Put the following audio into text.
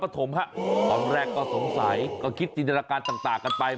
ตอนแรกก็สงสัยก็คิดจินตนาการต่างกันไป